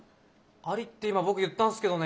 ありって今僕言ったんすけどね。